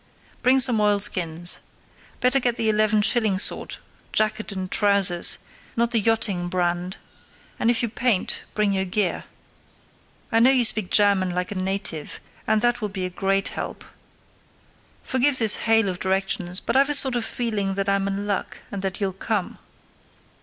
Bring some oilskins. Better get the eleven shilling sort, jacket and trousers—not the "yachting" brand; and if you paint bring your gear. I know you speak German like a native, and that will be a great help. Forgive this hail of directions, but I've a sort of feeling that I'm in luck and that you'll come.